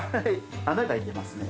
穴が開いてますね。